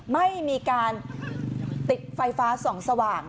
ไม่มีการติดไฟฟ้าส่องสว่าง